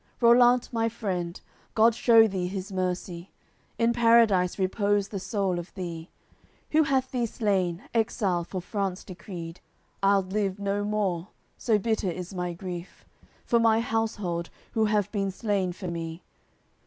CCX "Rollant, my friend, God shew thee His mercy! In Paradise repose the soul of thee! Who hath thee slain, exile for France decreed. I'ld live no more, so bitter is my grief For my household, who have been slain for me.